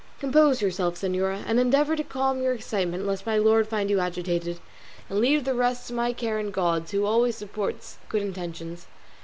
Compose yourself, señora, and endeavour to calm your excitement lest my lord find you agitated; and leave the rest to my care and God's, who always supports good intentions."